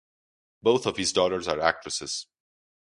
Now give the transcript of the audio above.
Both of his daughters are actresses.